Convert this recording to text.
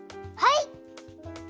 はい！